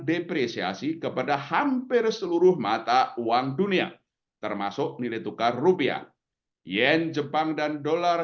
depresiasi kepada hampir seluruh mata uang dunia termasuk nilai tukar rupiah yen jepang dan dolar